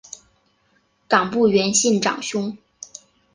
冈部元信长兄。